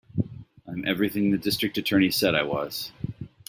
I'm everything the District Attorney said I was.